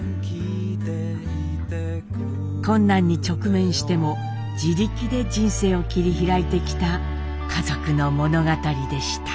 困難に直面しても自力で人生を切り開いてきた家族の物語でした。